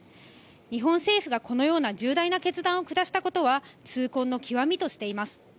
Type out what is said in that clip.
日本政府がこのような重大な決断を下したことは、痛恨の極みとしています。